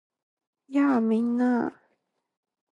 やあ！みんな